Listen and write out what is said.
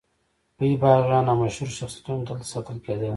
لوی باغیان او مشهور شخصیتونه دلته ساتل کېدل.